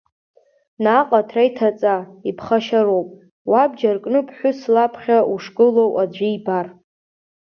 Наҟ аҭра иҭаҵа, иԥхашьароуп, уабџьар кны аԥҳәыс лаԥхьа ушгылоу аӡәы ибар.